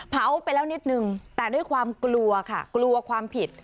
เผาไปแล้วนิดนึงแต่ด้วยความกลัวค่ะกลัวความผิด